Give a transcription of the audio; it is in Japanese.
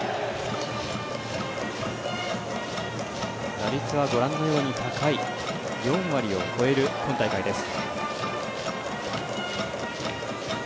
打率はご覧のように高い４割を超える今大会です。